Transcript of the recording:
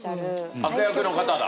悪役の方だ。